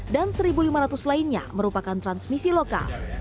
dan satu lima ratus lainnya merupakan transmisi lokal